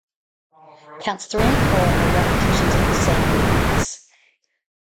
Counts three and four are repetitions of the same movements.